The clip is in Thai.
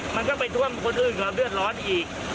มันก็ไปท่วมคนอื่นก็เดือดร้อนอีก